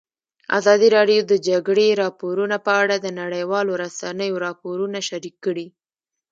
ازادي راډیو د د جګړې راپورونه په اړه د نړیوالو رسنیو راپورونه شریک کړي.